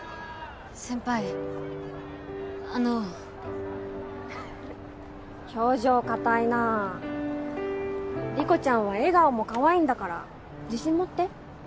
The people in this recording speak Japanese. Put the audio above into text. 先輩あのフフッ表情硬いな理子ちゃんは笑顔も可愛いんだから自信持って。